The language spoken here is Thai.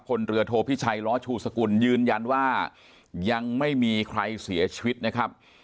พลเรือโทพิชัยล้อชูสกุลยืนยันว่ายังไม่มีใครเสียชีวิตนะครับ